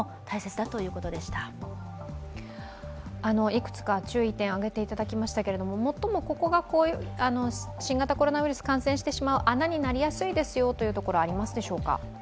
いくつか注意点、挙げていただきましたけど、最もここが新型コロナウイルス感染してしまう穴になりやすいですよというところありますでしょうか？